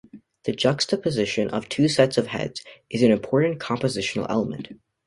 The juxtaposition of two sets of heads is an important compositional element.